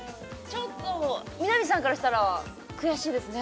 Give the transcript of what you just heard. ちょっと南さんからしたら悔しいですね